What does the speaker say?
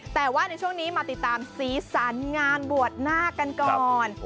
แต่ว่าในช่วงนี้มาติดตามสีสันงานบวชนาคกันก่อน